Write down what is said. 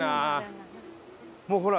もうほら。